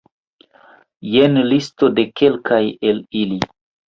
Jen listo de kelkaj el ili.